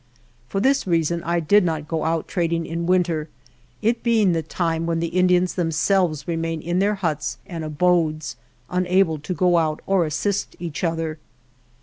For this reason I did not go out trading in winter, it being the time when the Indians themselves remain in their huts and abodes, unable to go out or assist each other.